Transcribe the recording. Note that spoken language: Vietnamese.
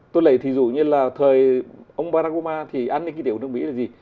tôi lấy thí dụ như là thời ông barack obama thì an ninh kinh tế của nước mỹ là gì